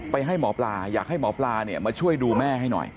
ให้หมอปลาอยากให้หมอปลาเนี่ยมาช่วยดูแม่ให้หน่อย